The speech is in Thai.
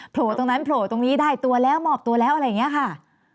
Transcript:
โผล่ตรงนั้นโผล่ตรงนี้ได้ตัวแล้วมอบตัวแล้วอะไรอย่างนี้ค่ะ